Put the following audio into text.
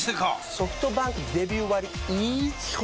ソフトバンクデビュー割イズ基本